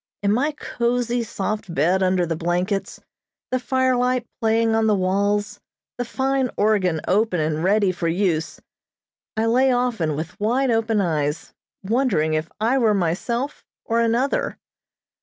In my cozy, soft bed under the blankets, the firelight playing on the walls, the fine organ open and ready for use, I lay often with wide open eyes, wondering if I were myself or another.